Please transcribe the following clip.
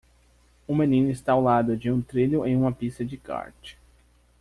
Um menino está ao lado de um trilho em uma pista de kart.